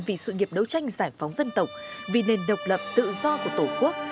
vì sự nghiệp đấu tranh giải phóng dân tộc vì nền độc lập tự do của tổ quốc